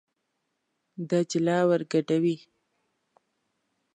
دجله ور ګډوي.